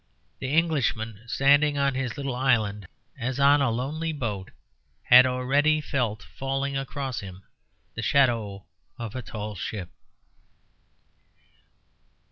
The Englishman, standing on his little island as on a lonely boat, had already felt falling across him the shadow of a tall ship.